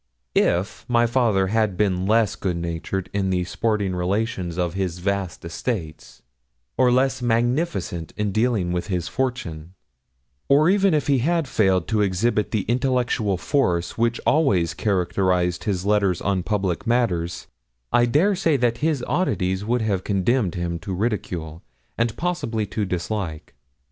If my father had been less goodnatured in the sporting relations of his vast estates, or less magnificent in dealing with his fortune, or even if he had failed to exhibit the intellectual force which always characterised his letters on public matters, I dare say that his oddities would have condemned him to ridicule, and possibly to dislike.